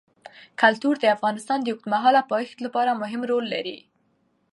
کلتور د افغانستان د اوږدمهاله پایښت لپاره مهم رول لري.